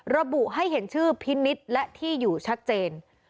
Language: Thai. ระบุให้เห็นชื่อพินิษฐ์และที่อยู่ชัดเจน